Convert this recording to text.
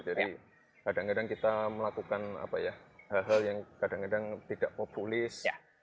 jadi kadang kadang kita melakukan apa ya hal hal yang kadang kadang tidak populis